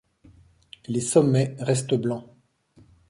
Les sommets restent blancs.